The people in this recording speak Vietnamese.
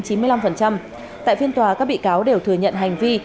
tại phiên tòa các bị cáo đều thừa nhận hành vi